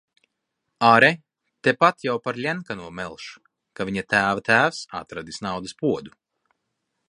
Āre, tepat jau par Ļenkano melš, ka viņa tēva tēvs atradis naudas podu.